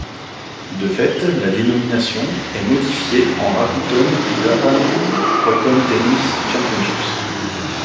De fait, la dénomination est modifiée en Rakuten Japan Open Tennis Championships.